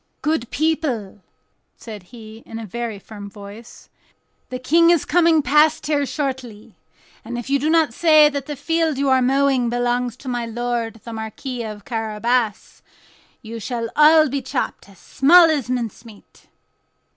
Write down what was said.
"Good people," said he, in a very firm voice, "the King is coming past here shortly, and if you do not say that the field you are mowing belongs to my lord the Marquis of Carabas, you shall all be chopped as small as mincemeat."